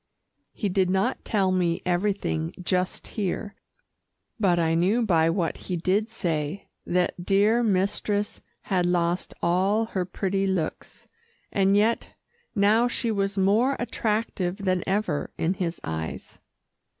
He did not tell me everything just here, but I knew by what he did say, that dear mistress had lost all her pretty looks, and yet now she was more attractive than ever in his eyes.